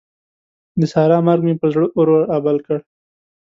د سارا مرګ مې پر زړه اور رابل کړ.